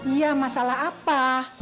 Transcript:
iya masalah apa